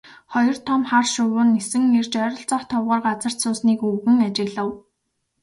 Хоёр том хар шувуу нисэн ирж ойролцоох товгор газарт суусныг өвгөн ажиглав.